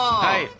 はい。